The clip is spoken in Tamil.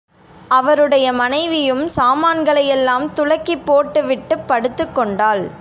அவருடைய மனைவியும் சாமான்களையெல்லாம் துலக்கிப் போட்டுவிட்டுப் படுத்துக்கொண்டாள்.